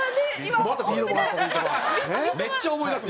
めっちゃ思い出す今。